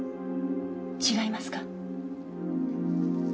違いますか？